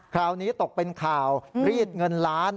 คราวนี้ตกเป็นข่าวรีดเงินล้าน